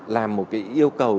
làm một cái yêu cầu